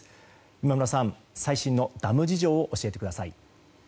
今村さん、最新のダム事情を教えてください。